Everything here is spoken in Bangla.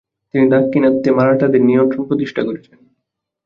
তিনি দাক্ষিণাত্যে মারাঠাদের নিয়ন্ত্রণ প্রতিষ্ঠিত করেছেন।